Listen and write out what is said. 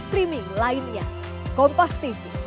kalau mel itu siapa mbak